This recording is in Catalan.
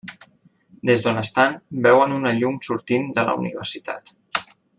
Des d'on estan veuen una llum sortint de la universitat.